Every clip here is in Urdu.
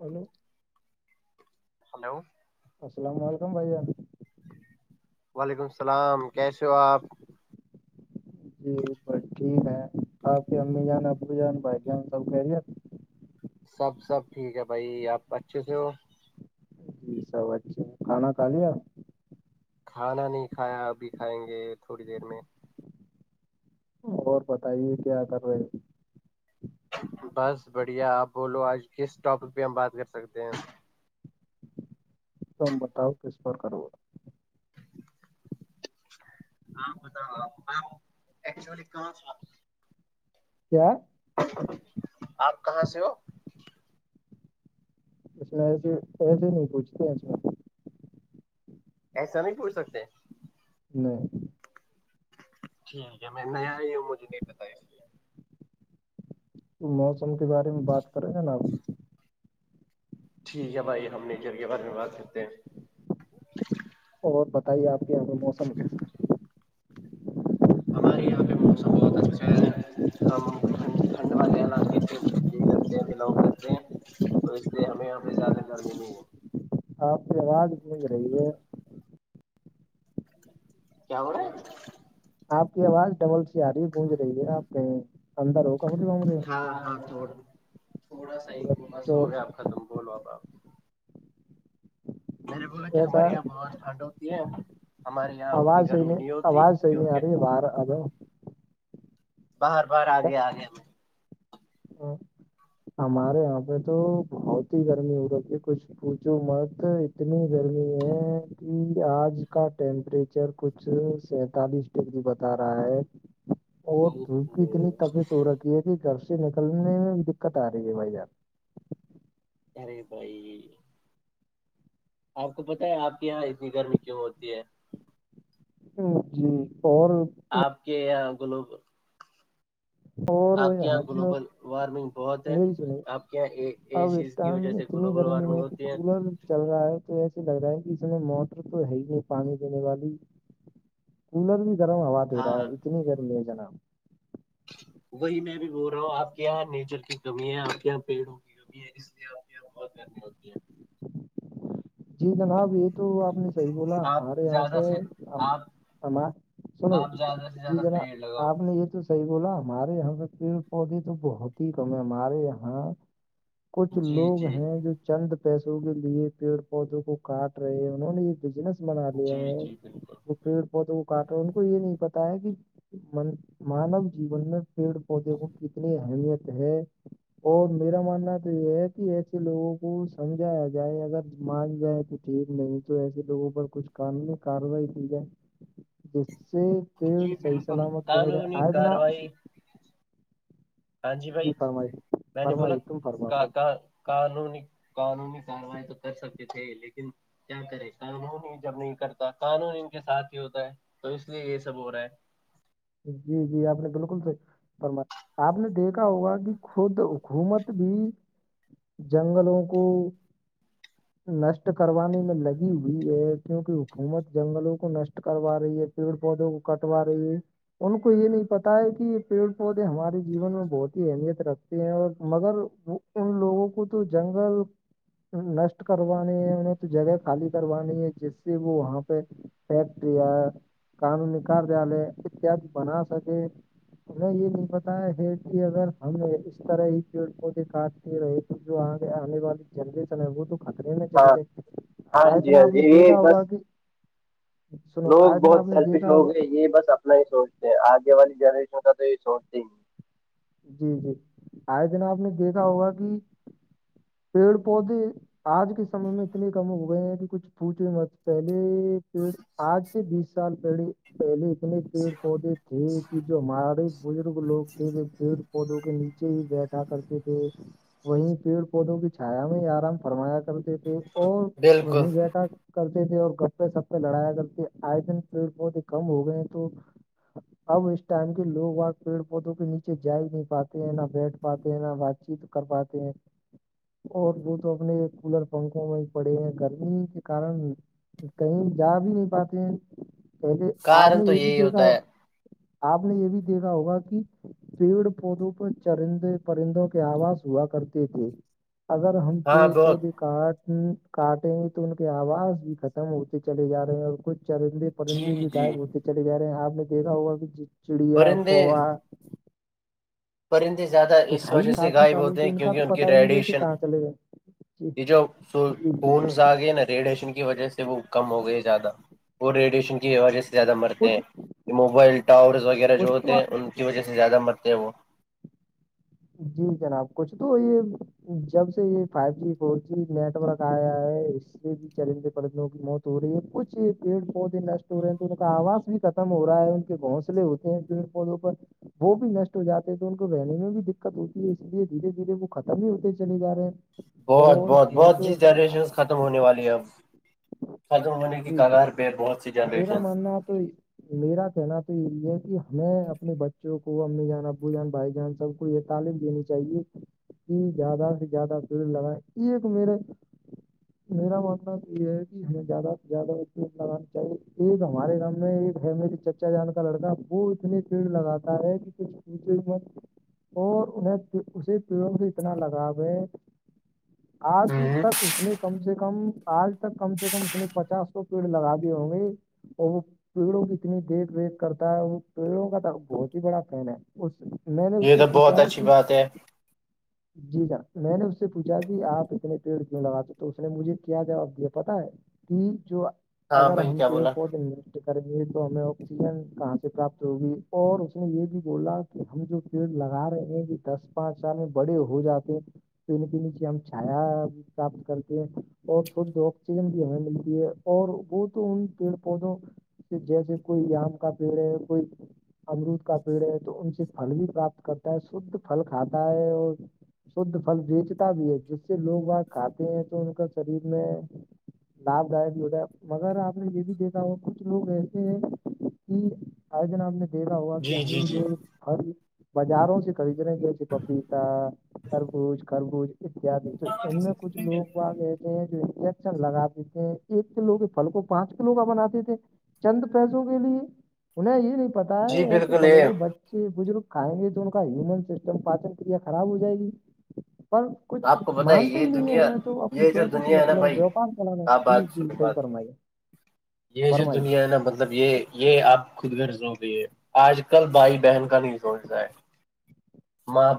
ہلو ہلو السلام علیکم بھائی جان وعلیکم السلام کیسے ہو آپ جی بس ٹھیک ہے آپ کی امی جان ابو جان بھائی جان سب کہہ رہیے سب سب ٹھیک ہے بھائی آپ اچھے سے ہو جی سب اچھا کھانا کھا لیا کھانا نہیں کھایا ابھی کھائیں گے تھوڑی دیر میں اور بتائیے کیا کر رہے ہیں بس بڑھیا آپ بولو آج کس ٹاپک پہ ہم بات کر سکتے ہیں تبت تس بار کرروا ہاں بتاؤ آپ آپ ایکچولی کہاں تھا کیا آپ کہاں سے ہو اس میں ایسے ایسے نہیں پوچھتے ہیں اس میں ایسا نہیں ٹوٹ سکتے نہیں ٹھیک ہے میں نیا ہی ہوں مجھے نہیں بتایا موسم کے بارے میں بات کریں ج ناب ٹھیک ہے بھائی ہم نےچھر کے بعد میں بات کرتے ہیں اور بتائیے آپ کے یہاں پ موسم کیسا ہمارے یہاں پہ موسم بہت اچھا ہے ہم ٹھنڈ والے علاقے سے یہ کرتے ہیں بلونگ کرتے ہیں تو اس لیے ہمیں یہاں پہ زیادہ درد نہیں ہے اپ راڈ کوو کرے یہ کیا ہو آپ کی آواز ڈبل سی آ رہی ہے گونج رہی ہے آپ کہیں اندر ہو کمرے ومرے ہاں ہاں تھ تھوڑا سا پورا ب س چور رہے آپ ختم بولو آب آپ میں نے بولا کہ کیسا ہمارے یہاں بہت ٹھنڈ ہوتی ہے ہمارے یہاں اتنی آواز ہے گرمی نہیں ہوتی آواز ہے کیونکہ نہیں رے وار ا باہر باہار آگیا آ گیا ا ہمارے یہاں پہ تو بہت ہی گرمی ہو رہتی ہے کچھ پوچو مرد اتنی گرمی ہے کہ آج کا ٹیمپریچر کچھ سینتالیس جی بتا رہا ہے اور دھوپ کی اتنی تبیس ہو رکھی ہے کہ گ نکلنے میں بھی دقت آ رہی ہے بھائی آپ رے بھائی آپ کو پت ہے آپ کے یہاں اتنی گرمی کیوں ہوتی ہے جی اور آپ کے یہاں گلو اور آپ کے یہاں پہ گلوبل وارمنگ بہت ہے آپ کے یہاں ای چیز ٹم اتنی گرمی ہے کہ کولر چل رہا ہے تو ایسے لگ رہا ہے کہ اس میں موٹر تو ہے ہی نہیں پانی دینے والی کولر بھی گرم ہوا دے رہا ہے ہاں اتنی گرمی ہے جناب وہی میں بھی بول رہا ہوں آپ کے یہاں نیچر کی کمی ہے آپ کے یہاں پیڑوںگ اس لیے آپ کی یہاں بہت گرم ہوتی ہیں جی جناب یہ تو آپ نے صحی بولا آپ ہمارے یہاں زیادہ سے آپ پہ سنو آپ زیادہ سے جی زیادہ پیڑ جناب لگاؤ آپ نے یہ تو صحیح بولا ہمارے یہاں پہ پیڑ پودے تو بہت ہی کم ہے ہمارے یہاں کچھ جی لوگ جی ہیں جو چند پیسوں کے لیے پی پودوں کو کاٹ رہے انہوں نے یہ بجنس بنا لیا جی جی بالکل ہے پیڑ پودوں کو کاٹ رہ ان کو یہ نہیں پتا ہے کہ مانو جیون میں پیڑ پودے کو کتنی اہمیت ہے اور میرا ماننا تو یہ ہے کہ ایسے لوگوں کو سمجھایا جائے اگر مانج گاائے تو ٹھیک نہیں تو ایسے لوگوں پر کچھ قاننی ہے کاروائی کی جائے جس سے پیڑ جی صحیح بالکل سلامت بنے رہے قانونی آجنا کاروائی ہاں جی بھائی فرمائیے میں نے بولا فرمائیے تم فرما کہ پہ کہاں قانونی قانونی کاروائی تو کر سکتے تھے لیکن کیا کرے قانون ہی جب نہیں کرتا قانون ان کے ساتھ ہی ہوتا ہے تو اس لیے یہ سب ہو رہا ہے جی جی آپ نے بالکل سے آپ نے دیکھا ہوگا کہ خود حکومت بھی جنگلوں کو ج نشٹ کروانے میں لگی ہوئی ہے کیونکہ حکومت جنگلوں کو نشٹ کروا رہی ہے پیڑ پودوں کو کٹوا رہی ہے ان کو یہ نہیں پتا ہے کہ پیڑ پودے ہمارے جیون میں بہت ہی اہمیت رکھتے ہیں اور مگر وہ ان لوگوں کو تو جنگل نشٹ کروانانی ہے انہیں تو جگہ خالی کروانی ہے جس سے وہ وہاں پہ فیکٹری ہے قانونی کیالے اتیاد بنا سکے ہمیں یہ نہیں بتایا ہے کہ اگر ہم اس طرح ہی پیڑ پودے کا رہی تو جو آ آنے والی جنریشن ہے وہ تو اکڑے میں ہاں چلی گئی ہاں آج جی اتن ہاں آپ نے جی یہ دیکھا بس ہوگا کہ سنو لوگ آئے دن آپ بہت نے سیلفش دیکھا لوگ ہوگا ہیں یہ بس اپنا ہی سوچتے ہیں آگے والی جنریشن کا تو یہ سوچتے ہی نہیں جی جی آئے دن آپ نے دیکھا ہوگا کہ پیڑ پودے آج کے سمے میں اتنے کم ہو گئے ہیں کہ کچھ پوچے مچ پہلے پی آج سے بیس سال پہڑے پہلے اتنے پیڑ پودے تھے کہ جو ہمارے بزرگ لوگ تھے پیڑ پودوں کے نیچے ہی بیٹھا کرتے تھے وہیں پیڑ پودوں کی چھایا میں آرام فرمایا کرتے تھے اور بالکل وہیں بیٹا کرتے تھے اور گپے سپے لڑایا کرتے تھے آئے دن پیڑ بہت ہی کم ہو گئے تو اب اس ٹائم کے لوگ آ پیڑ پودوں کے نیچے بچے جا نہیں پاتے ہیں نہ بیٹھ پاتے ہیں نہ بات چیت کر پاتے ہیں اور وہ تو اپنے کولر پنکھوں میں ہی پڑے ہیں گرمی کے کارن کہیں جا بھی نہیں پاتے ہیں پہلے آپ کارن نے تو یہ بھی یہی دیکھا ہوتا ہو ہے آپ نے یہ بھی دیکھا ہوگا کہ پیڑ پودوں پر چرند پرندوں کے آواز ہوا کرتے تھے اگر ہم ہاں پیڑ بہت پودے کاٹیں گ تو ان کے آواز بھی ختم ہوتے چلے جا رہے ہیں اور کچھ چرندے پرندے جی بھی گائب جی ہوتے چلے گا رہے ہیں آپ نے دیکا ہوا کہ چڑیا پرندے کوا پرندے زیادہ اس دکھائی وجہ نہیں سے کافی غائب سالوں ہوتے سے ہیں کا کیونکہ تو ان کی پتا ہی نہیں جیسے ریڈیشن کہاں چلے گئے جی یہ جو س جی جی خون جاگے نا [inaudible] ریڈیشن کی وجہ سے وہ کم ہو گئے زیادہ وہ ریڈیشن کی وجہ سے زیادہ مرتے کچھ ہیں موبائل ٹاورس وغیرہ جو کچھ ہوتے تو ہیں ان کی وجہ سے زیادہ مرتے ہیں وہ جی جناب کچھ تو یہ جب سے یہ five G four G network آیا ہے اس سے بھی چیلنج پڑندوں کی بہت تھوڑی یہ کچھ پیڑ پودے نشٹ ہو رہے ہیں تو ان کا آواز بھی ختم ہو رہا ہے ان کے گھونسلے ہوتے پیڑ پودوں پر وہ بھی نشٹ ہو جاتے ہیں تو ان کو رہنے میں بھی د دقت ہوتی ہے اس لیے دھیرے دھیرے وہ ختم ہی ہوتے چل جا رہے ہیں بہت اور بہت ہمیں بہت جی تو جنریشن اپنے- ختم ہونے والی ہے اب ختم ہونے کی کگار پہ ہے بہت سی جنریشن نہ تو ہی [inaudible] میرا کہنا تو یہ ہے کہ ہمیں اپنے بچوں کو امی جان ابو جان بھائی جان سب کو یہ تعلیم دینی چاہیے کہ زیادہ سے زیادہ در لگا یہ ایک میرا [inaudible] میرا مطلب یہ ہے کہ ہمیں زیادہ سے زیادہ لگانا چاہیے ایک ہمارے گام میں ایک ہے میے چ بچا جان کا لڑکا وہ اتنے پیڑ لگاتا ہے کہ کچھ پچ اور انہیں اسی پیڑوں سے اتنا لگاؤ ہے آج ہ تک اس نے کم سے کم آج تک کم سے کم اس نے پچاس سو پیڑ لگا دی ہوں گی اور وہ پیڑوں کی اتنی دیکھ ریکھ کرتا ہے وہ پیڑوں کا تو بہت ہی بڑا فین ہے اس میں نے اس یہ سے تو بہت پوچھا اچھی کہ [inaudible] جی جان میں نے اس سے پوچھا کہ آپ اتنے پیڑ اتنے لگاتے تو اس نے مجھے کیا جواب دیا پتا ہے کہ جو ہاں اگر بھائی ہم کیا پیڑ بولا پودے کریں گے تو ہمیں آکسیجن کہاں سے پراپت ہوگی اور اس نے یہ بھی بولا کہ ہم جو پیڑ لگے رہے ہیں کہ دس پانچ سال میں بڑے ہو جاتے ہیں تو ان کے نیچے ہم چھایا سپت کرتی ہے [inaudible] اور شھ آکسیجن بھی ہمیں ملتی ہے اور وہ تو ان پیڑ پودوں جیسے کوئی آم کا پیڑ ہے کوئی امرود کا پیڑ ہے تو ان سے پھل بھی پراپت کرتا ہے شھ پھل کھاتا ہے اور شھ فل بیچتا بھی ہے جس سے لوگ وہاں کھاتے ہیں تو ان کا شریر میں لپ گائ بھی ہوتاائے مگر آپ نے یہ بھی دیکھا ہو کچھ لوگ ایسے ہیں [inaudible] کی آیجن آپ نے دیکھا ہوا کہ جی جی ہم جی جو پل بازاروں کبھی جنے گیاچ پپیتا خربوش خربوش [inaudible] اتیاد تو ای میں کچھ لگ آا گئے [inaudible] جو انجیکشن لگات دی تھے ایک کلو کے پھل کو پانچ کلو کا بناتے تھے چند پیسوں کے لیے انہیں یہ نہیں پتا ہے جی ایسے بالکل پلوں یہ کو بچے بزرگ کھائیں گے تو ون سسٹم پاچن کریا خراب ہو جائے گی پر کچھ آپ کو پتا ہے مانتے یہ ہی نہیں ہے دنیا میں تو اپنے یہ جو پیسوں سے دنیا ہے نا مطلب بھائی ووپار کرانا آپ بات جی جی سنو صحیح بات فرم ہے یہ جو دنیا ہے نہ بد مطلب یہ یہ آپ خود رض ہو گئی ہے آج کل بھائی بہن کا نہیں سوچ رہ ہے ماں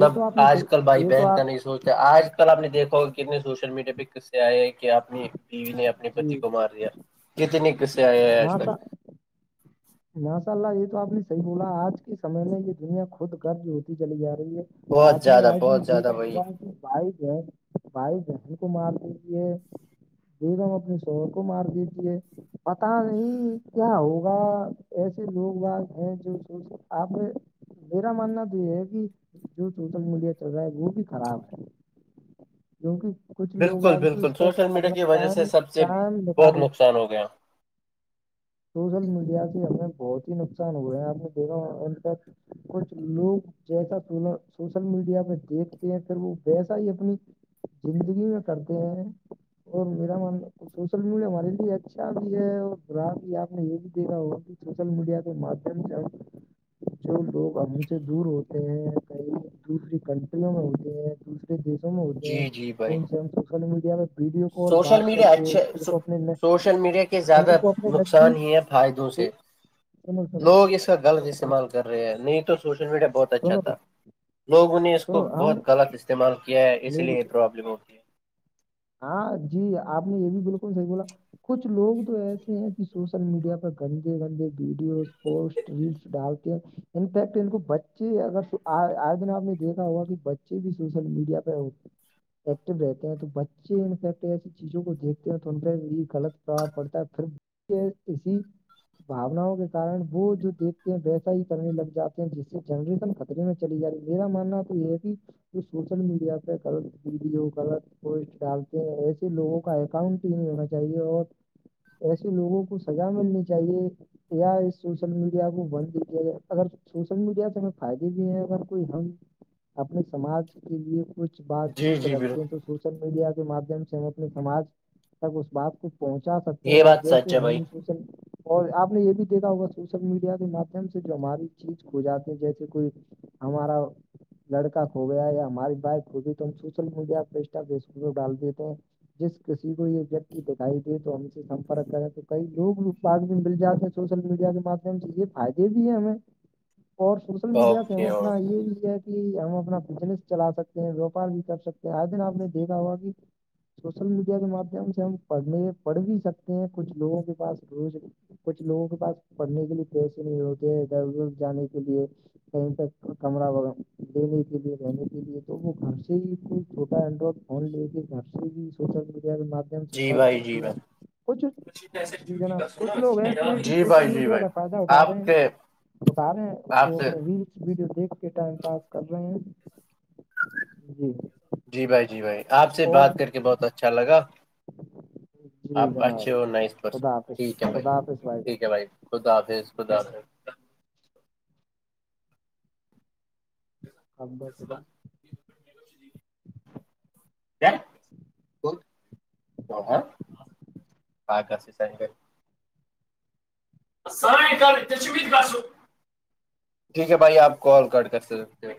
یہ تو آپ نے آج کل بھائی صحیح یہ تو بہن کا آپ نہیں سوچ آج کل آپ نے دیکھا ہوگ کتنے سوشل میڈیا پہ کس سے آئے ہیں کہ آپ ٹی وی نے اپنے پتی جی کو مار دیا کتنی قصے آئےئے آج تک ماشا ماشاء اللہ یہ تو آپ نے صحیح بولا آج کے سمے میں یہ دنیا خود گر جو ہوتی چلی جا رہی ہے بہت آپ نے زیادہ آئے دن بہت یہ کا زیادہ بھائی موبائ بائی بہن بائی بہن کو مارف دیجیے د ہم اپنے شہر کو مار دیجے پتا نہیں کیا ہوگا ایسے لوگ وہ ہیں جو آپ میرا ماننا تو یہ ہے کہ جو سوشل مڈیا چل رہا ہے وہ بھی خراب ہے جووںک کچھ لوگ بالکل آپ تو اس بالکل پہ سوشل اپنا ٹم ٹم نکاال ان ہو گیا سوشل میڈیا سے ہمیں بہت ہی نقصان ہوئے ہیں آپ نے دیکھا تک کچھ لوگ جیسا س سوشل میڈیا پہ دیکھتے ہیں پھر وہ ویسا ہی اپنی زندگی میں کرتے ہیں اور میرا م سوشل میڈیا ہمارے لیے اچھا بھی ہے اور گر آپ نے یہ بھی دیکھا ہو کہ سوشل میڈیا کے مادھیم سے جو لوگ اچے دور ہوتے ہیں کئی دوسری کنٹریوں میں ہوتے ہیں دوسری دیوں میں ہوتے جی جی بھائی سوشل میڈیا میں سوشل میڈیا اچھے سوشل میڈیا کے ان زیادہ کو اپنے نقصان نزدیک ہی ہے فائدوں سے سنو سنو لوگ اس کا غلط استعمال سنو کر رہے ہیں تو سوشل میڈیا بہت اچھا تھا لوگوں نے اس کو سنو ہم بہت غلط استعمال کیا ہے اس میری لیے یہ سنو، پرابلم ہو ہے ہاں جی آپ نے یہ بھی بالکل صحیح بولا کچھ لوگ تو ایسے ہیں کہ سوشل میڈیا پر گندے گندے videos post reels dark effect ان کو بچے اگر آج دن آپ نے دیکھا ہوگا کہ بچے بچے بھی سوشل میڈیا پہ ایکٹو رہتے ہیں تو فیکٹ ایسی چیزوں کو دیکھتے ہو تو ان پہ یہ غلط پربؤ پڑتا ہے پھر کہ اسی باناؤں کے کارن وہ جو دیکھتے ہیں ویسا ہی کرنے لگ جاتے ہیں جس سے جنریشن خم جے میں چلی ج رہی میرا ماننا توئی یہ کہ تو سوشل میڈیا پہ لط ویڈیو گغلط پسٹ ڈالتے ہیں ایسے لوگوں کا اکاؤنٹ ہی نہیں ہونا چاہیے اور ایسے لوگوں کو سزا ملنی چاہیے اس سوشل میڈیا کو بند د کیاائے اگر سوشل میڈیا سے ہمیں فائدے بھی ہیں اگر کوئی ہم اپنے سماج کے لیے کچھ ہے بات جی چیت جی رکھتے بالکل ہیں تو سوشل میڈیا کے مادھیم سے ہم اپنے سماج تک اس بات کو پہنچا سکتے یہ ہیں بات سچ جیسے ہم س [inaudible] اور آپ نے یہ بھی دیکھا ہوگا سوشل میڈیا کے مادھیم سے جو ہماری چیز ہوھ جاتے ہیں جیسے کوئی ہمارا لڑکا ہو گیا یا ہماری بائیک ہوگئی تو ہم سوشل میڈیا پ ڈال دی تو جس کسی کو یہ ویکتی دکھائی دے تو ہم سے سمپرک کرے تو کئی لوگ بات بھی مل جاتے سوشل میڈیا کے ماددھیم سے یہ فائدے بھی ہے ہمیں اور س ل میڈیا سے ہم اوکے اپنا اوکے یہ کہ ہم اپنا بزنس چلا سکتے ہیں ووپار بھی کر سکتے ہیں ہر دن آپ نے دیکھا ہوا کہ سوشل میڈیا کے مادھیم سے ہم پڑھنے پڑھ بھی سکتے ہیں کچھ لوگوں کے پاس روز کچھ لوگوں کے پاس پڑھنے کے لیے پیسے نہیں ہوتے ہیں ادھر جانے کے لیے کمرہہ لینے کے لیے رہنے کے لیے تو وہ گھر سے ہی کوئی چھوٹا اینڈرائڈ ف لےے ک سے بھی سوشل میڈیاار جی پڑھ بھائی جی سکتے ہیں بھائی کچھ جی جناب کچھ لوگ ایسے ہیں کہ جی سوشل بھائی جی میڈیا بھائی کا فائدہ اٹھا رہے آپ ہیں کے اٹھا رہے ہیں آپ وہ سے ویڈیو دیکھ کے ٹائم پاس کر رہے ہیں جی جی بھائی جی بھائی آپ سے اور بات کر کے بہت اچھا لگا جی آپ اچھے جناب اور نائس پرسن خدا حافظ ٹھیک ہے بھائی خدا حافظ جان ٹھیک ہے بھائی خدا حافظ خدا حافظ [inaudible] [inaudible] [inaudible] ٹھیک ہے بھائی آپ کال کٹ کر سکتے ہو